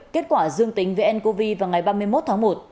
kết quả dương tính với ncov vào ngày ba mươi một tháng một